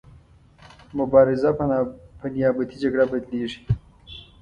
مبارزه په نیابتي جګړه بدلیږي.